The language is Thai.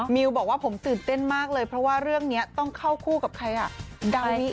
มิวบอกว่าผมตื่นเต้นมากเลยเพราะว่าเรื่องนี้ต้องเข้าคู่กับใครอ่ะดาวิ